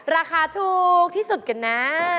ราคาถูกที่สุดกันนะ